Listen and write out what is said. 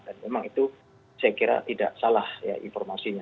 dan memang itu saya kira tidak salah ya informasinya